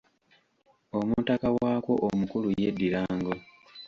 Omutaka waakwo omukulu yeddira ngo.